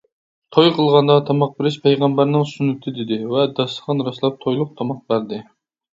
— توي قىلغاندا تاماق بېرىش پەيغەمبەرنىڭ سۈننىتى، — دېدى ۋە داستىخان راسلاپ تويلۇق تاماق بەردى.